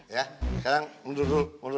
ya sekarang mundur dulu